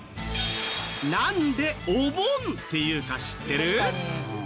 なんでお盆って言うか知ってる？